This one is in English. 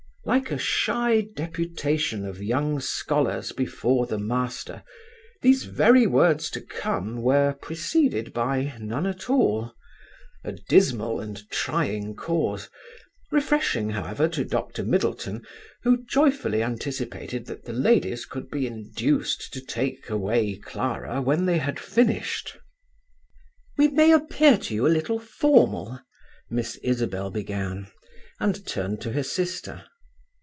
Like a shy deputation of young scholars before the master, these very words to come were preceded by none at all; a dismal and trying cause; refreshing however to Dr. Middleton, who joyfully anticipated that the ladies could be induced to take away Clara when they had finished. "We may appear to you a little formal," Miss Isabel began, and turned to her sister.